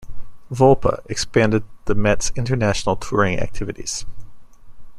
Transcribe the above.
Volpe expanded the Met's international touring activities.